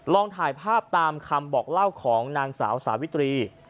ถ่ายภาพตามคำบอกเล่าของนางสาวสาวิตรี